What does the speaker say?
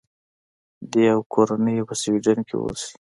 دی او کورنۍ یې په سویډن کې اوسي.